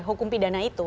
hukum pidana itu